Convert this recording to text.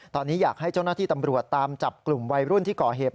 ตอนนี้อยากให้เจ้าหน้าที่ตำรวจตามจับกลุ่มวัยรุ่นที่ก่อเหตุ